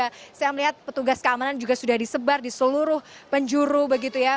nah misalnya kita lihat petugas keamanan juga sudah disebar di seluruh penjuru begitu ya